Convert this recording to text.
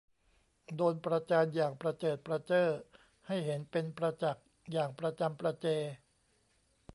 โดนประจานอย่างประเจิดประเจ้อให้เห็นเป็นประจักษ์อย่างประจำประเจ